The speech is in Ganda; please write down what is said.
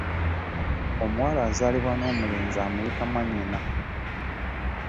Omuwala azaalibwa n'omulenzi amuyita mwannyina.